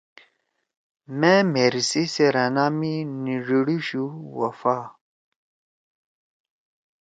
مأ مھیر سی سیرأنا می نی ڈیِڑُوشُو وفا